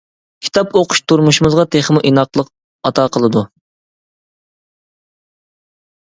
كىتاب ئوقۇش تۇرمۇشىمىزغا تېخىمۇ ئىناقلىق ئاتا قىلىدۇ.